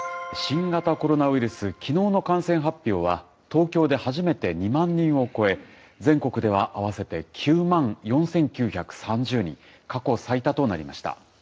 新型コロナウイルス、きのうの感染発表は、東京で初めて２万人を超え、全国では合わせて９万４９３０人、過去最多となりました。